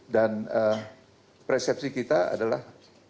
dan persepsi kita adalah dua ribu dua puluh empat